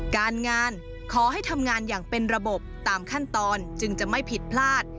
การงานขอให้ทำงานอย่างเป็นระบบตามขั้นตอนจึงจะไม่ผิดพลาด